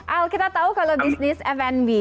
al kita tau kalau bisnis f b